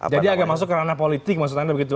jadi agak masuk ke ranah politik maksud anda begitu